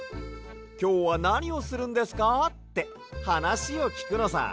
「きょうはなにをするんですか？」ってはなしをきくのさ。